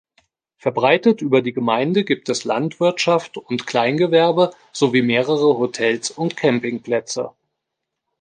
Verbreitet über die Gemeinde gibt es Landwirtschaft und Kleingewerbe sowie mehrere Hotels und Campingplätze.